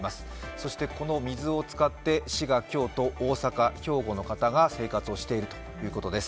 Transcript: そしてこの水を使って滋賀、京都、大阪、兵庫の方が生活をしているということです。